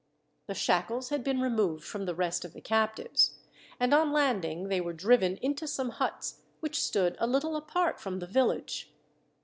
The shackles had been removed from the rest of the captives, and on landing they were driven into some huts which stood a little apart from the village.